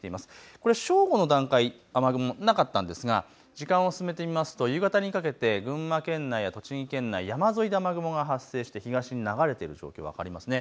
これ正午の段階、雨雲なかったんですが時間を進めてみますと夕方にかけて群馬県内、栃木県内、山沿いで雨雲が発生して東に流れている状況、分かります。